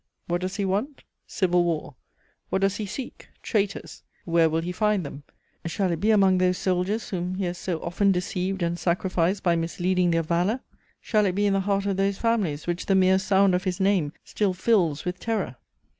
"What does he want? Civil war. What does he seek? Traitors. Where will he find them? Shall it be among those soldiers whom he has so often deceived and sacrificed by misleading their valour? Shall it be in the heart of those families which the mere sound of his name still fills with terror?